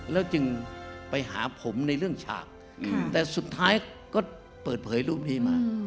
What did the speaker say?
แล้วจึงไปหาผมในเรื่องฉากแต่สุดท้ายก็เปิดเผยรูปนี้มา